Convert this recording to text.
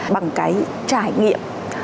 bằng cái trải nghiệm